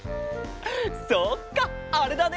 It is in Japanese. そっかあれだね！